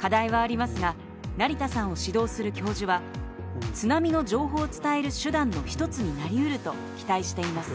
課題はありますが成田さんを指導する教授は津波の情報を伝える手段の一つになりうると期待しています。